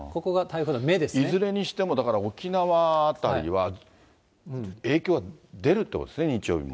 いずれにしても、だから沖縄辺りは、影響は出るってことですね、日曜日も。